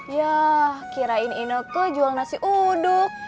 yah kirain ini kan jual nasi uduk